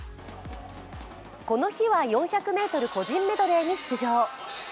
この日は４００ｍ個人メドレーに出場。